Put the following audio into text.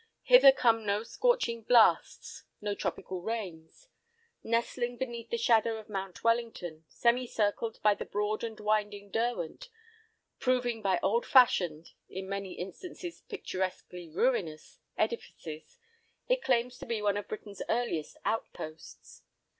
Hither come no scorching blasts, no tropical rains. Nestling beneath the shadow of Mount Wellington, semi circled by the broad and winding Derwent, proving by old fashioned—in many instances picturesquely ruinous—edifices, it claims to be one of Britain's earliest outposts.